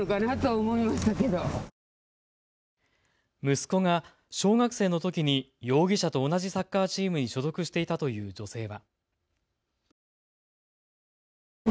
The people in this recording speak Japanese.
息子が小学生のときに容疑者と同じサッカーチームに所属していたという女性は。